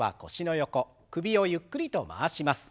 首をゆっくりと回します。